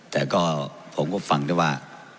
แต่ก็ผมก็ฟังได้ว่า